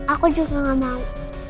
aku juga gak mau